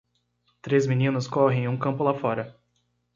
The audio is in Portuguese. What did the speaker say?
Três meninas correm em um campo lá fora.